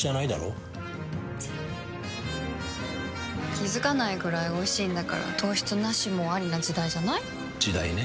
気付かないくらいおいしいんだから糖質ナシもアリな時代じゃない？時代ね。